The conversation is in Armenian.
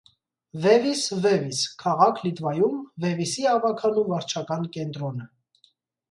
Վևիս Վևիս (,,), քաղաք Լիտվայում, Վևիսի ավագանու վարչական կենտրոնը։